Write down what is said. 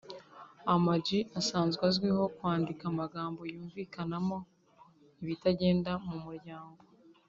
Ama G asanzwe azwiho kwandika amagambo yumvikanamo ibitagenda mu muryango